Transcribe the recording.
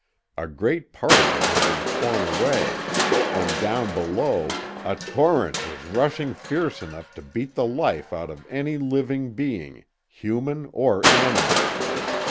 A great part of it had been torn away, and down below a torrent was rushing fierce enough to beat the life out of any living being, human or animal.